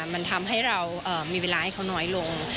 มันทำให้เรามีเวลาให้เขาน้อยลง